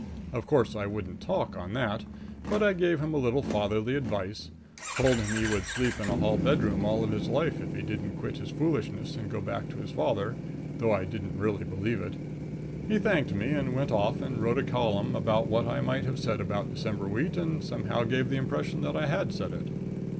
Of course, I wouldn't talk on that, but I gave him a little fatherly advice told him he would sleep in a hall bedroom all his life if he didn't quit his foolishness and go back to his father, though I didn't really believe it. He thanked me and went off and wrote a column about what I might have said about December wheat, and somehow gave the impression that I had said it.